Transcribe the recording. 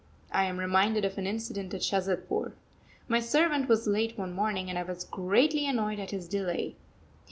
I am reminded of an incident at Shazadpur. My servant was late one morning, and I was greatly annoyed at his delay.